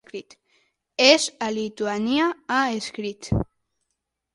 És a Lituània, ha escrit.